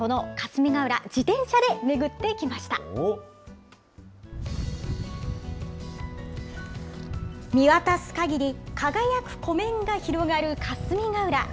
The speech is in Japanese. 見渡すかぎり輝く湖面が広がる霞ケ浦。